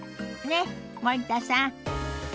ねっ森田さん。